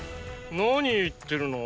何言ってるの。